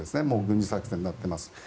もう軍事作戦になっています。